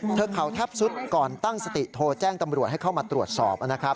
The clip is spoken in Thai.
เข่าแทบสุดก่อนตั้งสติโทรแจ้งตำรวจให้เข้ามาตรวจสอบนะครับ